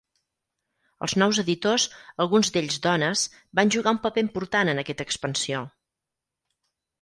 Els nous editors, alguns d'ells dones, van jugar un paper important en aquesta expansió.